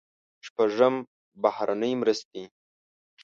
شپږم: بهرنۍ مرستې.